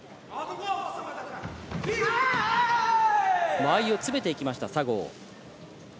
間合いを詰めていきました、佐合。